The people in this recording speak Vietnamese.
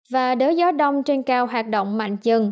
và đới gió đông trên cao hoạt động mạnh dần